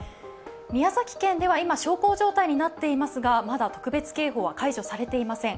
宮崎県では今、小康状態になっていますがまだ特別警報は解除されていません。